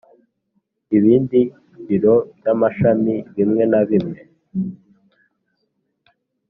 ibindi biro by amashami bimwe na bimwe